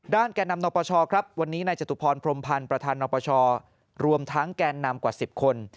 ด้านแกนนำนักประชาครับวันนี้ในจตุพรพรมพันธ์ประธานนักประชารวมทั้งแกนนำกว่า๑๐คน